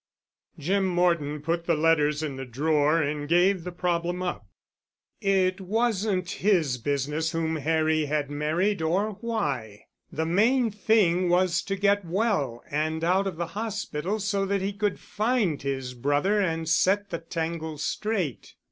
Jim Morton put the letters in the drawer and gave the problem up. It wasn't his business whom Harry had married or why. The main thing was to get well and out of the hospital so that he could find his brother and set the tangle straight.